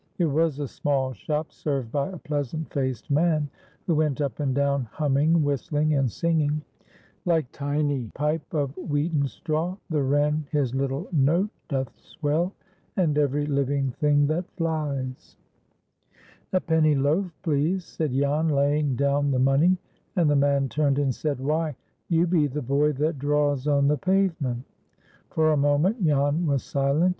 It was a small shop, served by a pleasant faced man, who went up and down, humming, whistling, and singing,— "Like tiny pipe of wheaten straw, The wren his little note doth swell, And every living thing that flies"— "A penny loaf, please," said Jan, laying down the money, and the man turned and said, "Why, you be the boy that draws on the pavement!" For a moment Jan was silent.